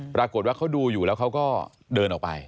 ปรากฏว่าเขาดูอยู่แล้วเขาก็เดินออกไป